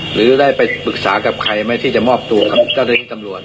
หรือได้ไปปรึกษากับใครไหมที่จะมอบตัวกับเจ้าหน้าที่ตำรวจ